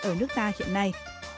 ở nước ta hiện nay